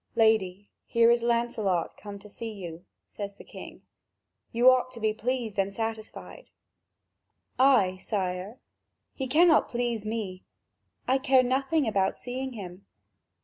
"Lady, here is Lancelot come to see you," says the king; "you ought to be pleased and satisfied." "I, sire? He cannot please me. I care nothing about seeing him."